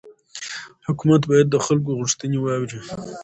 حکومت باید د خلکو غوښتنې واوري